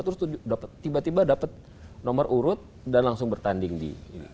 terus tiba tiba dapat nomor urut dan langsung bertanding di